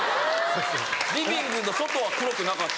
リビングの外は黒くなかった。